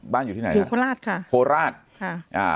บ้านอยู่ที่ไหนโพราชค่ะ